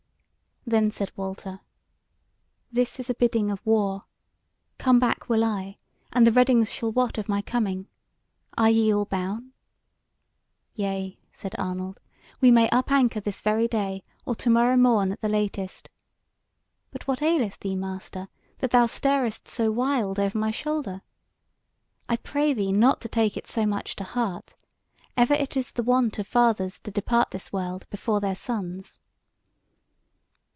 Then said Walter: "This is a bidding of war. Come back will I, and the Reddings shall wot of my coming. Are ye all boun?" "Yea," said Arnold, "we may up anchor this very day, or to morrow morn at latest. But what aileth thee, master, that thou starest so wild over my shoulder? I pray thee take it not so much to heart! Ever it is the wont of fathers to depart this world before their sons."